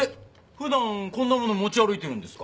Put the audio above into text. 普段こんなもの持ち歩いてるんですか？